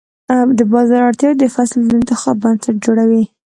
د بازار اړتیاوې د فصل د انتخاب بنسټ جوړوي.